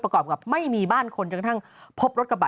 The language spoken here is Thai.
กับไม่มีบ้านคนจนกระทั่งพบรถกระบะ